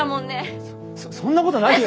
そそんなことないよ。